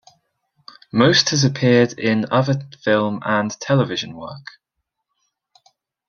Most has appeared in other film and television work.